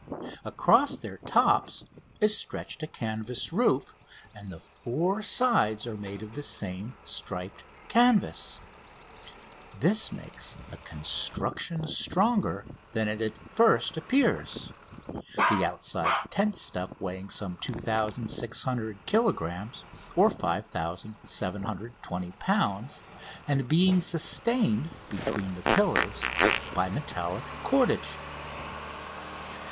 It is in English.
Across their tops is stretched a canvas roof, and the four sides are made of the same striped canvas. This makes a construction stronger than it at first appears, the outside tent stuff weighing some 2600 kilogrammes (5720 lbs.), and being sustained between the pillars by metallic cordage.